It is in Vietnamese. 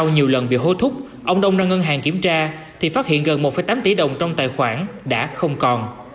nhiều lần bị hô thúc ông đông ra ngân hàng kiểm tra thì phát hiện gần một tám tỷ đồng trong tài khoản đã không còn